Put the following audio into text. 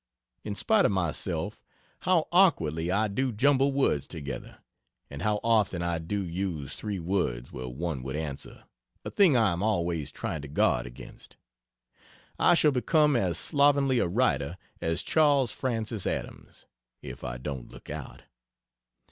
In spite of myself, how awkwardly I do jumble words together; and how often I do use three words where one would answer a thing I am always trying to guard against. I shall become as slovenly a writer as Charles Francis Adams, if I don't look out.